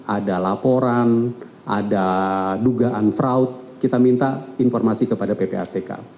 ada laporan ada dugaan fraud kita minta informasi kepada ppatk